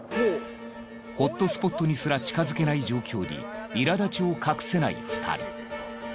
ホットスポットにすら近づけない状況に苛立ちを隠せない２人。